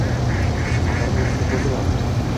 Axir, men — Quvg‘indiman.